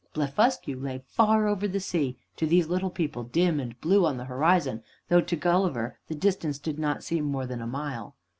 Blefuscu lay far over the sea, to these little people dim and blue on the horizon, though to Gulliver the distance did not seem to be more than a mile.